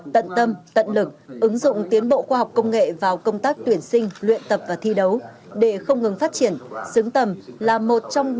tận tâm tận lực ứng dụng tiến bộ khoa học công nghệ vào công tác tuyển sinh luyện tập và thi đấu để không ngừng phát triển